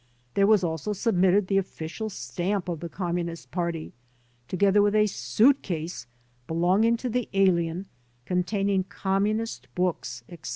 There was also submitted the official stamp of the Communist Party, together with a suitcase belonging to the alien containing Communist books, etc.